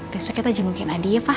besoknya kita jengukin adi ya pak